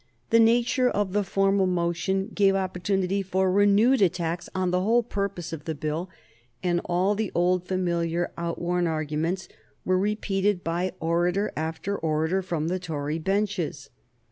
The nature of the formal motion gave opportunity for renewed attacks on the whole purpose of the Bill, and all the old, familiar, outworn arguments were repeated by orator after orator from the Tory benches.